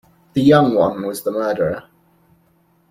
The young one was the murderer.